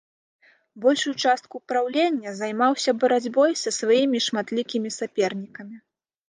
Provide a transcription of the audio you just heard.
Большую частку праўлення займаўся барацьбой са сваімі шматлікімі сапернікамі.